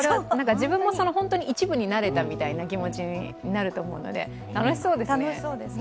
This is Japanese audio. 自分も一部になれたみたいな気持ちになると思うので、楽しそうですね。